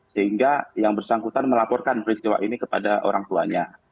sehingga yang bersangkutan melaporkan peristiwa ini kepada orang tuanya